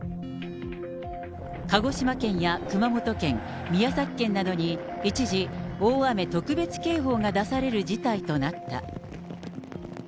鹿児島県や熊本県、宮崎県などに、一時、大雨特別警報が出される事態となった。